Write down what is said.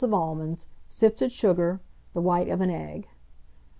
of almonds, sifted sugar, the white of an egg.